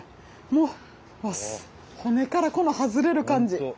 もう骨からこの外れる感じ。